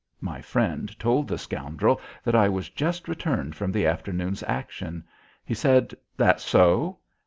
My friend told the scoundrel that I was just returned from the afternoon's action. He said: "That so?"